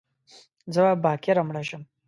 زه به باکره مړه شم